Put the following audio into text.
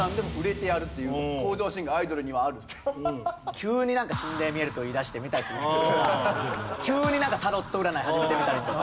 急になんか「心霊見える」と言いだしてみたりする人とか急になんかタロット占い始めてみたりとか。